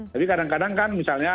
tapi kadang kadang kan misalnya